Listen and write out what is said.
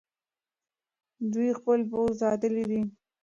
دوی خپل پوځ ساتلی دی.